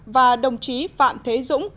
và đồng chí phạm thế dũng